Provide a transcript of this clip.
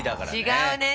違うね。